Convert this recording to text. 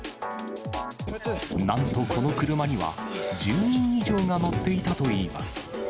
なんとこの車には、１０人以上が乗っていたといいます。